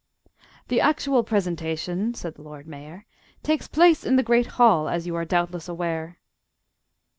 "The actual presentation," said the Lord Mayor, "takes place in the Great Hall, as you are doubtless aware."